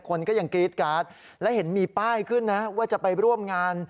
คนก็ยังกรี๊ดการ์ดและเห็นมีป้ายขึ้นนะว่าจะไปร่วมงาน